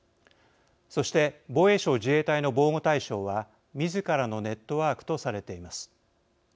そして防衛省、自衛隊の防護対象はみずからのネットワークとされています。